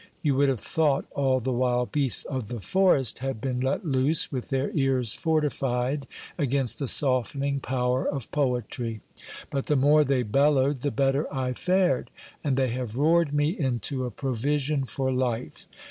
You would have thought all the wild beasts of the forest had been let loose, with their ears fortified against the softening power of poetry : but the more they bellowed, the better I fared, and they have roared me into a provision for life.